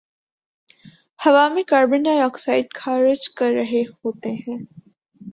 ہوا میں carbon dioxide خارج کررہے ہوتے ہیں